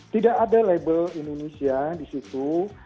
tidak ada label indonesia di situ